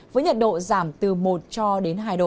với nhiệt độ giảm từ một cho đến hai độ